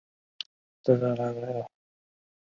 两个都将失败归咎于开放原始码社群。